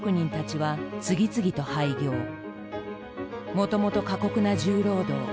もともと過酷な重労働。